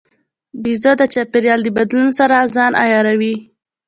بیزو د چاپېریال د بدلون سره ځان عیاروي.